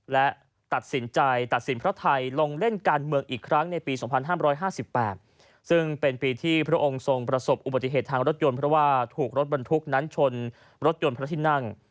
และตัดสินใจตัดสินพระไทยลงเล่นการเมืองอีกครั้งในปี๒๕๕๘ซึ่งเป็นปีที่พระองค์ทรงประสบอุบัติเหตุทางรถยนต์เพราะว่าถูกรถบรรทุกนั้นชนรถยนต์พระที่นั่ง